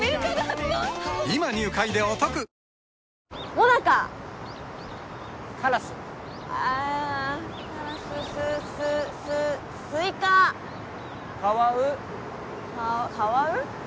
モナカカラスあカラスススススイカカワウカカワウ？